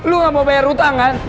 lu gak mau bayar hutang kan